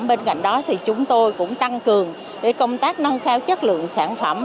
bên cạnh đó thì chúng tôi cũng tăng cường công tác nâng cao chất lượng sản phẩm